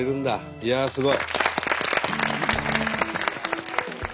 いやあすごい！